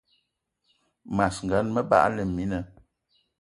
Mas gan, me bagla mina